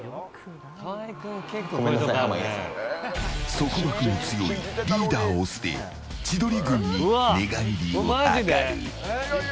束縛の強いリーダーを捨て千鳥軍に寝返る。